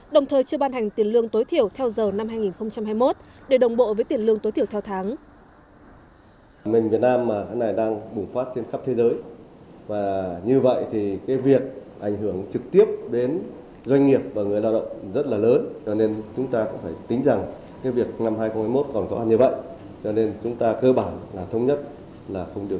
đồng thời chưa ban hành tiền lương tối thiểu theo giờ năm hai nghìn hai mươi một để đồng bộ với tiền lương tối thiểu theo tháng